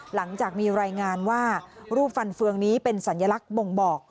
หลังจากมีรายงานว่ารูปฟันเฟืองนี้เป็นสัญลักษณ์บ่งบอก